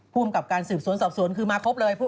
ภูมิกับการสืบสวนสอบสวนคือมาครบเลย